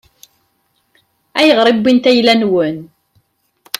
Ayɣer i wwint ayla-nwen?